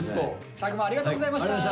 作間ありがとうございました。